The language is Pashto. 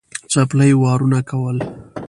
څپلۍ وارونه کول.